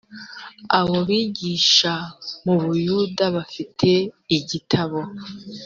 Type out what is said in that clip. abo bigisha mu buyuda bafite igitabo